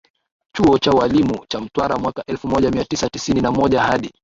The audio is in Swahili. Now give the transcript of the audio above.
chuo cha ualimu cha Mtwara mwaka elfu moja mia tisa tisini na moja hadi